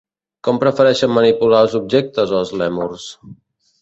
Com prefereixen manipular els objectes els lèmurs?